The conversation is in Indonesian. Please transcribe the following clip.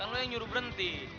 kan lo yang nyuruh berhenti